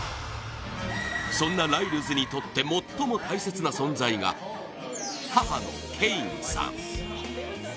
そんなライルズにとって最も大切な存在が母のケインさん。